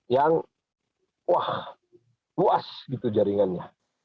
yang wah luas jaringannya